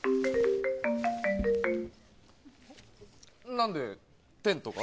なんで、テントが。